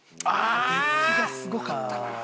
デッキがすごかったな。